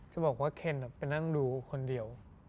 จะบอกว่าเคนไปนั่งดูคนเดียว